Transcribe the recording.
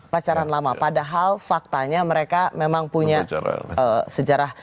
pacaran lama padahal faktanya mereka memang punya sejarah